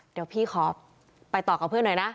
เดี๋ยวพี่ขอไปต่อกับเพื่อนหน่อยนะ